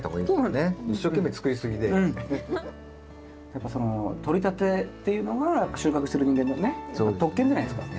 やっぱそのとりたてっていうのが収穫してる人間のね特権じゃないですか。